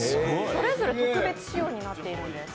それぞれ特別仕様になってるんです。